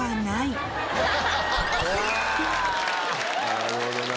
なるほどな。